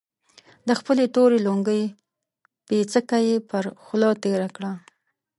د خپلې تورې لونګۍ پيڅکه يې پر خوله تېره کړه.